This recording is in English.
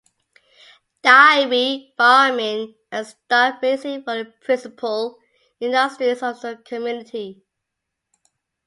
Dairy farming and stock raising were the principal industries of the community.